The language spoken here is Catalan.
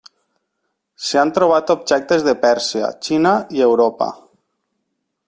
S'hi han trobat objectes de Pèrsia, Xina i Europa.